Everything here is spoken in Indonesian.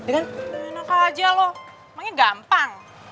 ya enak aja lu emangnya gampang